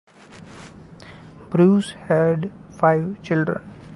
Bruce had five children.